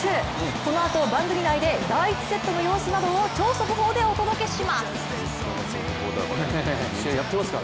このあと番組内で第１セットの様子などを超速報でお届けします。